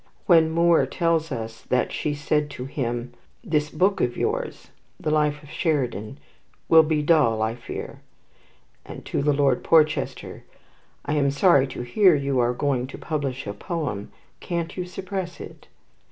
When Moore tells us that she said to him, "This book of yours" (the "Life of Sheridan") "will be dull, I fear;" and to Lord Porchester, "I am sorry to hear you are going to publish a poem. Can't you suppress it?"